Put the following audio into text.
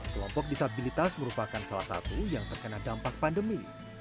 kelompok disabilitas merupakan salah satu yang terkena dampak pandemi